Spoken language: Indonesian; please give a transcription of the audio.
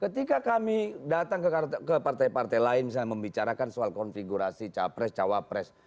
ketika kami datang ke partai partai lain misalnya membicarakan soal konfigurasi capres cawapres